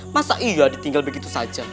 masa iya ditinggal begitu saja